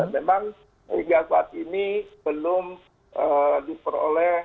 memang hingga saat ini belum diperoleh